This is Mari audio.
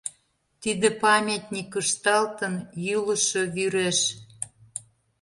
Тиде памятник ышталтын Йӱлышӧ вӱреш.